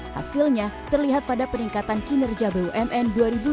hasilnya terlihat pada peningkatan kinerja bumn dua ribu dua puluh